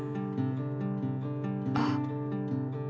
あっ。